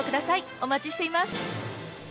お待ちしています。